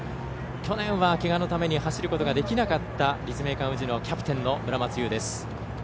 去年はけがのために走ることができなかった立命館宇治のキャプテンの村松結。